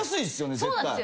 絶対。